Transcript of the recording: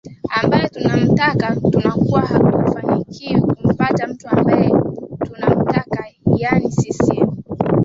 ambae tunamtaka tunakuwa hatufanikiwi kumpata mtu ambae tunamtaka yaani ccm